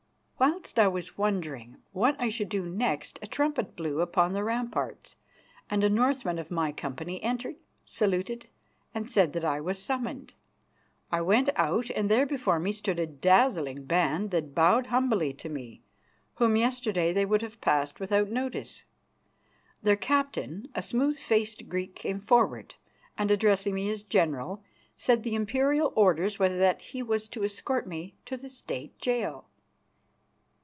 Whilst I was wondering what I should do next, a trumpet blew upon the ramparts, and a Northman of my company entered, saluted and said that I was summoned. I went out, and there before me stood a dazzling band that bowed humbly to me, whom yesterday they would have passed without notice. Their captain, a smooth faced Greek, came forward, and, addressing me as "General," said the imperial orders were that he was to escort me to the State jail.